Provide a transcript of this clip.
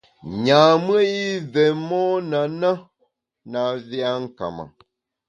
Nyam-ùe i vé mon a na, na vé a nka ma.